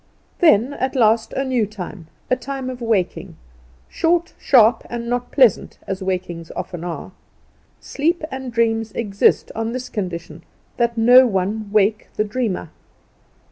Then at last a new time the time of waking; short, sharp, and not pleasant, as wakings often are. Sleep and dreams exist on this condition that no one wake the dreamer.